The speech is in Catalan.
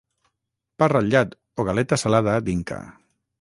pa ratllat o galeta salada d'Inca